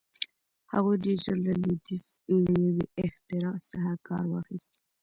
هغوی ډېر ژر له لوېدیځ له یوې اختراع څخه کار واخیست.